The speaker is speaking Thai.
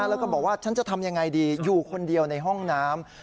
แล้วก็บอกว่าฉันจะทำยังไงดีอยู่คนเดียวในห้องน้ำ